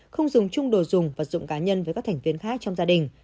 không dùng chung đồ dùng vật dụng cá nhân với các thành viên khác trong gia đình